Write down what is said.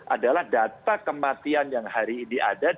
adalah data kematian yang hari ini ada